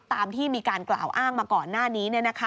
ตามที่มีการกล่าวอ้างมาก่อนหน้านี้